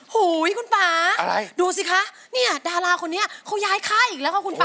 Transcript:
หู๊คุณป๊าดูสิคะนี่ดาราคนนี้คุณป๊ามันย้ายค่ายอีกฟะ